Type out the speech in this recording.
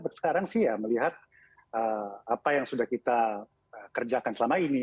sekarang sih ya melihat apa yang sudah kita kerjakan selama ini